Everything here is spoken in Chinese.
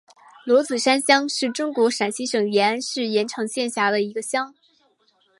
罗子山乡是中国陕西省延安市延长县下辖的一个乡。